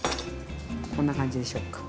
こんな感じでしょうか？